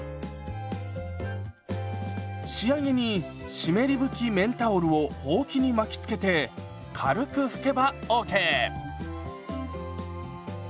仕上げに湿り拭き綿タオルをほうきに巻きつけて軽く拭けばＯＫ！